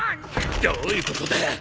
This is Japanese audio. どういうことだ？